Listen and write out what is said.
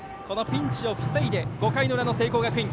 ピンチを防いで５回の裏の聖光学院。